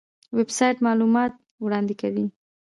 ویب سایټ معلومات وړاندې کوي